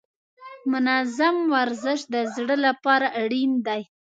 منظم ورزش د زړه لپاره اړین دی.